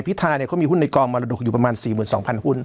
พิธาเนี่ยเขามีหุ้นในกองมรดกอยู่ประมาณสี่หมื่นสองพันหุ้น